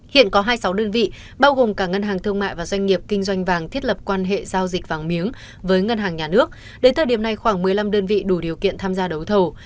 hiện có hai mươi sáu đơn vị bao gồm cả ngân hàng thương mại và doanh nghiệp kinh doanh vàng thiết lập quan hệ giao dịch vàng miếng với ngân hàng nhà nước đến thời điểm này khoảng một mươi năm đơn vị đủ điều kiện tham gia đấu thầu